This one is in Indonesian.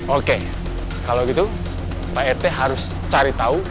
oke kalau gitu pak rt harus cari tahu